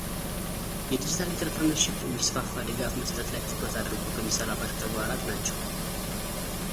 የዲጂታል ኢንተርፕርነርሺፕ እንዲስፋፋ ድጋፍ መስጠት ላይ ትኩረት አድርጎ ከሚሠራባቸው ተግባራት ናቸው።